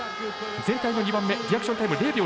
全体の２番目リアクションタイム、０秒６８。